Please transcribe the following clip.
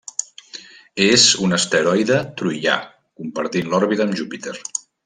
És un asteroide troià, compartint l'òrbita amb Júpiter.